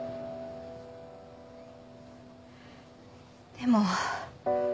でも。